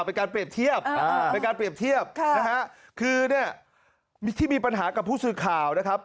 เป็นการเปรียบเทียบนะฮะคือเนี่ยที่มีปัญหากับผู้สื่อข่าวนะครับ